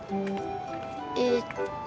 えっと。